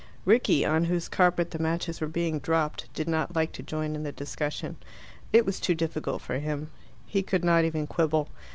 Rickie, on whose carpet the matches were being dropped, did not like to join in the discussion. It was too difficult for him. He could not even quibble.